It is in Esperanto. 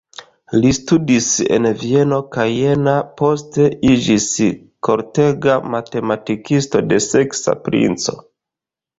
Li studis en Vieno kaj Jena, poste iĝis kortega matematikisto de saksa princo.